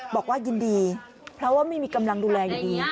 บอกว่ายินดีเพราะว่าไม่มีกำลังดูแลอยู่ดี